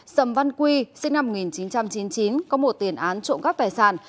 sầm văn quy sinh năm một nghìn chín trăm chín mươi chín có một tiền án trộm cắp tài sản